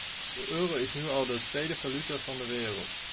De euro is nu al de tweede valuta van de wereld.